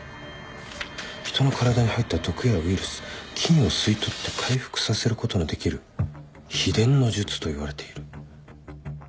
「人の体に入った毒やウイルス菌を吸い取って回復させることのできる秘伝の術と言われている」